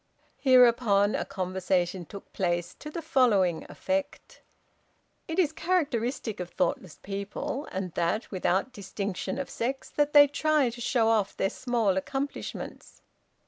Hereupon a conversation took place to the following effect: "It is a characteristic of thoughtless people and that, without distinction of sex that they try to show off their small accomplishments.